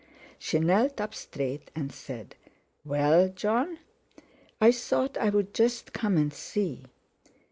She knelt up straight, and said: "Well, Jon?" "I thought I'd just come and see."